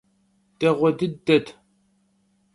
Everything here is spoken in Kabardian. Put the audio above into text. Değue dıdet.